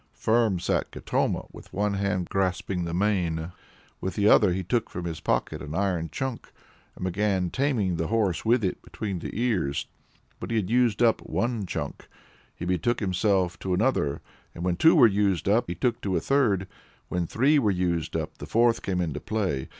Firm sat Katoma, with one hand grasping the mane; with the other he took from his pocket an iron chunk, and began taming the horse with it between the ears. When he had used up one chunk, he betook himself to another; when two were used up, he took to a third; when three were used up, the fourth came into play.